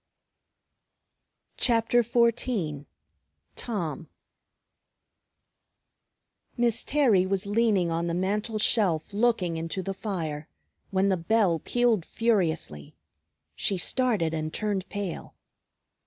CHAPTER XIV TOM Miss Terry was leaning on the mantel shelf looking into the fire, when the bell pealed furiously. She started and turned pale.